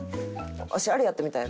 わしあれやってみたい。